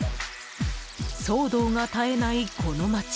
騒動が絶えない、この街。